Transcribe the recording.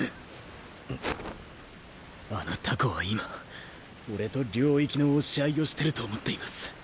あのタコは今俺と領域の押し合いをしてると思っています。